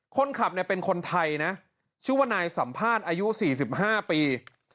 คนขับเนี่ยเป็นคนไทยนะชื่อว่านายสัมภาษณ์อายุ๔๕ปี